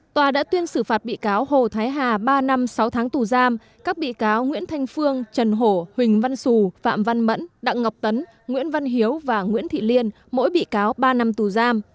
tòa đã tuyên xử phạt bị cáo hồ thái hà ba năm sáu tháng tù giam các bị cáo nguyễn thanh phương trần hổ huỳnh văn sù phạm văn mẫn đặng ngọc tấn nguyễn văn hiếu và nguyễn thị liên mỗi bị cáo ba năm tù giam